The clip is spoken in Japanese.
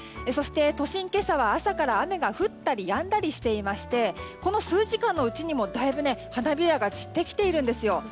そして、都心、今朝は朝から雨が降ったりやんだりでこの数時間のうちにもだいぶ花びらが散ってきているんですよ。